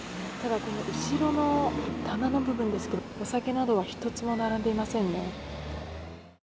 ただ、後ろの棚の部分ですけれどもお酒などは１つも並んでいませんね